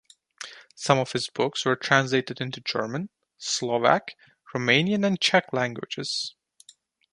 Some of his books were translated into German, Slovak, Romanian and Czech languages.